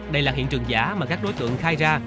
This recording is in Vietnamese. đây là hiện trường giả mà các đối tượng khai ra